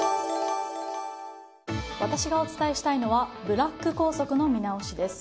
私がお伝えしたいのはブラック校則の見直しです。